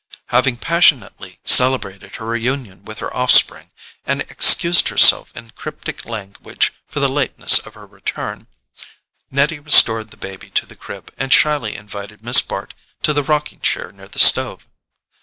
Having passionately celebrated her reunion with her offspring, and excused herself in cryptic language for the lateness of her return, Nettie restored the baby to the crib and shyly invited Miss Bart to the rocking chair near the stove.